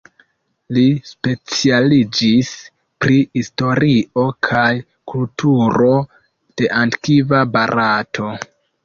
Li specialiĝis pri historio kaj kulturo de antikva Barato.